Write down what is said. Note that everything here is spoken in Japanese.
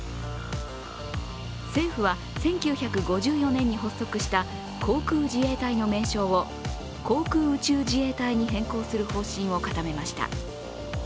政府は１９５４年に発足した航空自衛隊の名称を航空宇宙自衛隊に変更する方針を固めました。